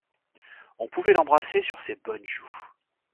On pouvait l'embrasser sur ses bonnes joues.